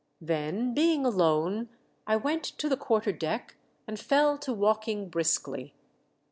Then, being alone, I went to the quarter deck and fell to walking briskly.